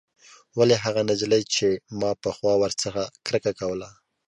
ولې هغه نجلۍ چې ما پخوا ورڅخه کرکه کوله.